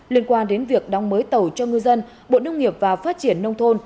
liên quan đến việc đóng mới tàu cho ngư dân bộ nông nghiệp và phát triển nông thôn